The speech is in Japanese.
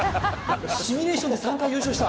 シミュレーションで３回優勝した？